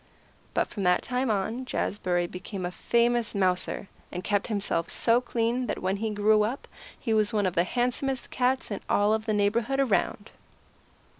But from that time on Jazbury became famous as a mouser, and he kept himself so clean that when he grew up he was one of the handsomest cats in all the neighbourhood around.